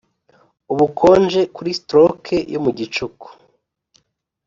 ubukonje, kuri stroke yo mu gicuku,